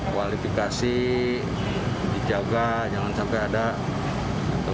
kualifikasi dijaga jangan sampai ada